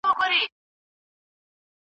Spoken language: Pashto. پښتني ځوانان